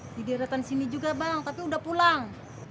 di daerah sini juga bang tapi udah pulang